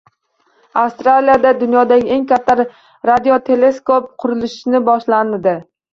Avstraliyada dunyodagi eng katta radioteleskop qurilishi boshlandi